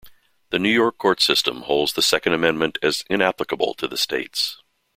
The New York Court System holds the Second Amendment as inapplicable to the states.